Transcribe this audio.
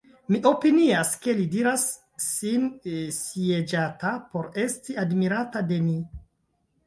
Mi opinias, ke li diras sin sieĝata, por esti admirata de ni.